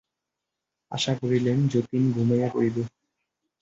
আশা করিলেন, যতীন ঘুমাইয়া পড়িবে।